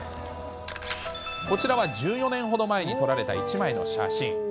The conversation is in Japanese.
こちらは１４年ほど前に撮られた一枚の写真。